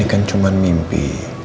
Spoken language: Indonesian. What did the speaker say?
ini kan cuman mimpi